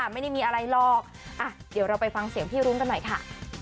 ไม่ได้มีอะไรหรอกเดี๋ยวเราไปฟังเสียงพี่รุ้งกันหน่อยค่ะ